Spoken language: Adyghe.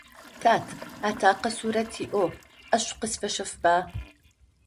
Тат, атэкъэ сурэт иӏэу ӏашӏу къысфэщэфба.